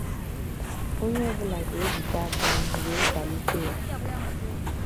onye ọbụla ga-ejikọ aka ọnụ wee kwalite ya